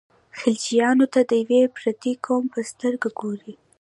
خلجیانو ته د یوه پردي قوم په سترګه ګوري.